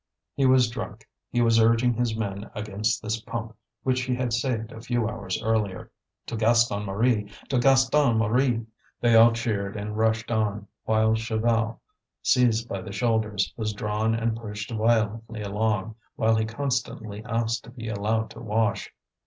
He was drunk; he was urging his men against this pump which he had saved a few hours earlier. "To Gaston Marie! to Gaston Marie!" They all cheered, and rushed on, while Chaval, seized by the shoulders, was drawn and pushed violently along, while he constantly asked to be allowed to wash.